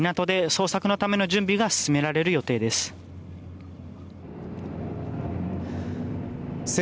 このあと、港で捜索のための準備が進められる予定です。